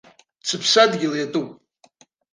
Сыԥсадгьыл иатәуп.